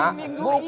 asyik minggu ini